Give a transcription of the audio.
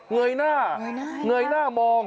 เงยหน้าเงยหน้ามอง